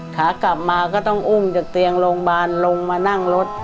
ขากลับมาก็ต้องอุ้มจากเตียงโรงพยาบาลลงมานั่งรถ